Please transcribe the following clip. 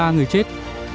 ba mươi ba người chết